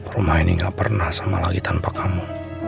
rumah ini gak pernah sama lagi tanpa kamu